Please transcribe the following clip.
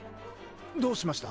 どうしました？